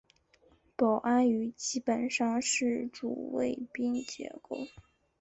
保安语基本上是主宾谓结构。